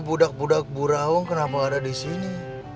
budak budak buraung kenapa ada disini